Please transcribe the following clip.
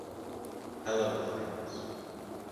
Hello friends.